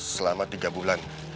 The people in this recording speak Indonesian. selama tiga bulan